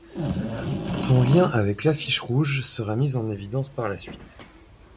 Son lien avec l'Affiche Rouge sera mis en évidence par la suite.